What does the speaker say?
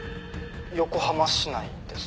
「横浜市内です。